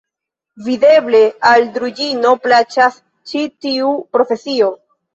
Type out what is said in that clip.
Videble, al Druĵino plaĉas ĉi tiu profesio!